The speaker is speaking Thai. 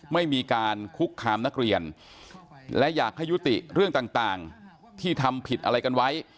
ไม่มีการคุกคามนักเรียนและอยากให้ยุติเรื่องต่างที่ทำผิดอะไรกันไว้